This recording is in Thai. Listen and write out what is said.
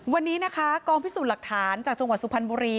วันนี้นะคะกองพิสูจน์หลักฐานจากจังหวัดสุพรรณบุรี